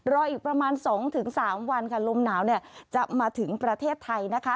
รออีกประมาณ๒๓วันค่ะลมหนาวจะมาถึงประเทศไทยนะคะ